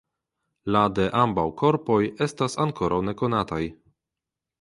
La de ambaŭ korpoj estas ankoraŭ nekonataj.